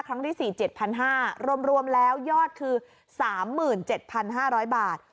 ครั้งที่สี่เจ็ดพันห้ารวมรวมแล้วยอดคือสามหมื่นเจ็ดพันห้าร้อยบาท